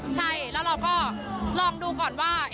ใช่แล้วเราก็ลองดูก่อนว่า